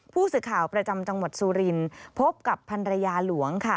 ผู้สื่อข่าวประจำจังหวัดสุรินพบกับพันรยาหลวงค่ะ